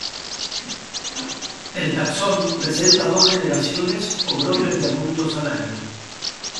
El taxón presenta dos generaciones o brotes de adultos al año.